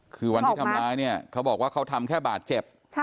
คือวันที่ทำร้ายเนี่ยเขาบอกว่าเขาทำแค่บาดเจ็บ